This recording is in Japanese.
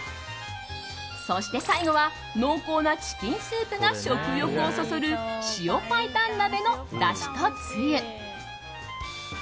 そして最後は濃厚なチキンスープが食欲をそそる塩白湯鍋のだしとつゆ。